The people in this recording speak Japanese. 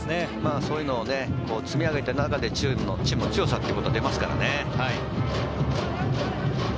そういうのを積み上げた中でチームの強さというのが出ますからね。